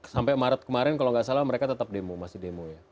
sampai maret kemarin kalau nggak salah mereka tetap demo masih demo ya